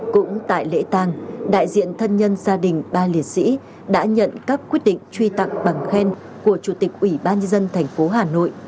cũng tại lễ tàng đại diện thân nhân gia đình ba liệt sĩ đã nhận các quyết định truy tặng bằng khen của chủ tịch ủy ban nhân dân thành phố hà nội